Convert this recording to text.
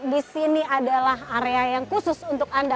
di sini adalah area yang khusus untuk anda